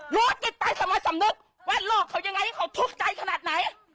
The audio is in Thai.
รู้ติดตายสำนุกว่าโรคเขายังไงเขาทุกข์ใจขนาดไหน